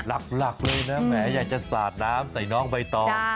หลักเลยนะแหมอยากจะสาดน้ำใส่น้องใบตอง